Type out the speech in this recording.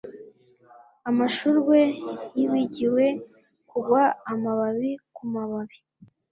amashurwe yibagiwe kugwa amababi kumababi